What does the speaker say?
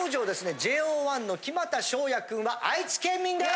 ＪＯ１の木全翔也君は愛知県民です！